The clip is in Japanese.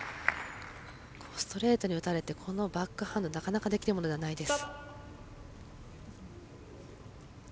ストレートに打たれてこのバックハンドなかなかできるものではないです。